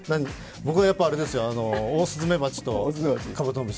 僕はやっぱり、オオスズメバチとカブトムシ。